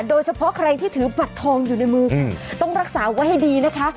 โดยเฉพาะใครที่ถือบัตรทองอยู่ในมือต้องรักษาไว้ให้ดีนะคะ